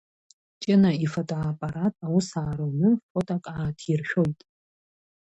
Ҷына ифотоаппарат аус ааруны фоток ааҭиршәоит.